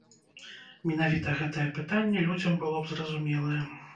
Менавіта гэтае пытанне людзям было б зразумелае.